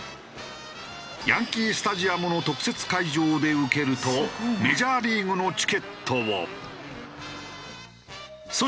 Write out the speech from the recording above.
ヤンキースタジアムの特設会場で受けるとメジャーリーグのチケットを。